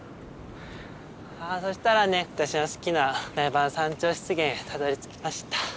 あそしたらね私の好きな苗場山頂湿原にたどりつきました。